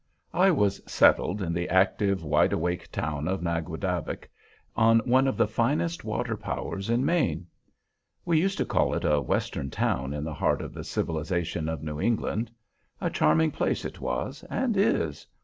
I was settled in the active, wide awake town of Naguadavick, on one of the finest water powers in Maine. We used to call it a Western town in the heart of the civilization of New England. A charming place it was and is.